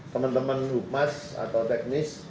teman teman humas atau teknis